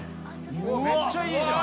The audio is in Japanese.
めっちゃいいじゃん。